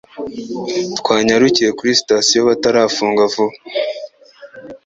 Twanyarukiye kuri sitasiyo batarafunga vuba